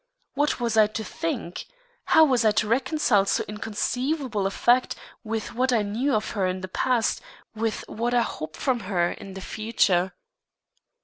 What was I to think? How was I to reconcile so inconceivable a fact with what I knew of her in the past, with what I hoped from her in the future.